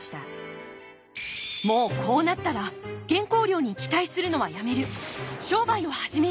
もうこうなったら原稿料に期待するのはやめる。